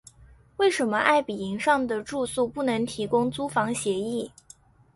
为什么爱迎彼上的住宿不能提供租房协议？